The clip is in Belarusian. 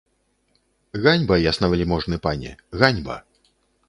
Ганьба, яснавяльможны пане, ганьба!